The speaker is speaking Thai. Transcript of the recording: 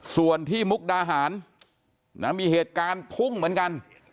ส่วนที่มุกดาหารมีเหตุการณ์พุ่งเหมือนกัน